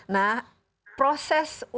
nah proses untuk menerima kip